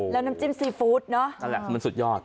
แล้วน้ำจิ้มซีฟู้ดเนอะนั่นแหละมันสุดยอด